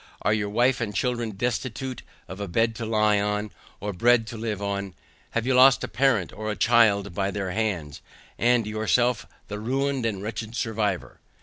Are your wife and children destitute of a bed to lie on, or bread to live on? Have you lost a parent or a child by their hands, and yourself the ruined and wretched survivor?